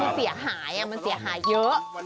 มันเสียหายมันเสียหายเยอะ